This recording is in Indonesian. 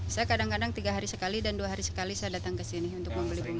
saya kadang kadang tiga hari sekali dan dua hari sekali saya datang ke sini untuk membeli bunga